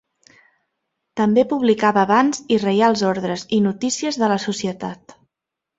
També publicava bans i reials ordres i notícies de la societat.